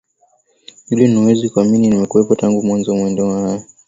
edwin huwezi kuamini nimekuwepo tangu mwanzo wa maandamano haya